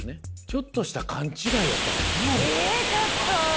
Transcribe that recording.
ちょっとした勘違いやったかリアルな。え！？ちょっと。